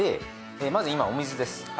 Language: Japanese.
まず今お水です。